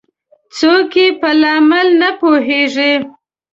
څوک یې په لامل نه پوهیږي